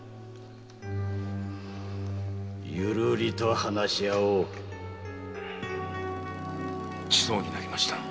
ゆるりと話し合おうちそうになりました。